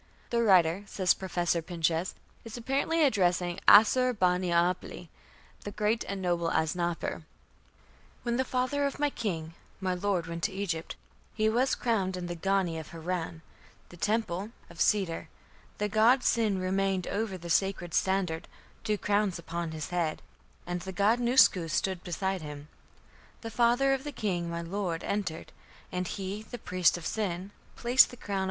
"The writer", says Professor Pinches, "is apparently addressing Assur bani apli, 'the great and noble Asnapper': "When the father of my king my lord went to Egypt, he was crowned (?) in the ganni of Harran, the temple (lit. 'Bethel') of cedar. The god Sin remained over the (sacred) standard, two crowns upon his head, (and) the god Nusku stood beside him. The father of the king my lord entered, (and) he (the priest of Sin) placed (the crown?)